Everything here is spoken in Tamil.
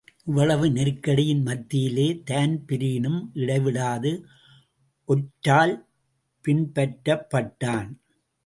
இவ்வளவு நெருக்கடியின் மத்தியிலே தான்பிரீனும் இடைவிடாது ஒற்றால் பின்பற்றபட்டான்.